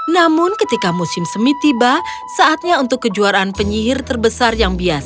namun ketika musim semi tiba saatnya untuk kejuaraan penyihir terbesar yang biasa